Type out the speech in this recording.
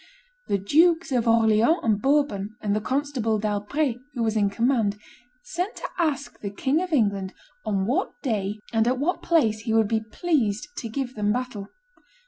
The Dukes of Orleans and Bourbon, and the Constable d'Albret, who was in command, sent to ask the King of England on what day and at what place he would be pleased to give them battle.